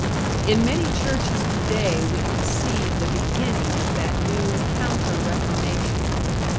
In many churches today we can see the beginning of that new Counter Reformation.